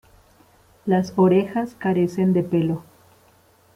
Las orejas carecen de pelo.